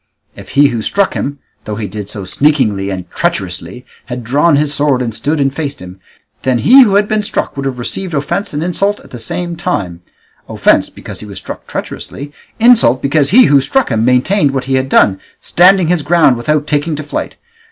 If he who struck him, though he did so sneakingly and treacherously, had drawn his sword and stood and faced him, then he who had been struck would have received offence and insult at the same time; offence because he was struck treacherously, insult because he who struck him maintained what he had done, standing his ground without taking to flight.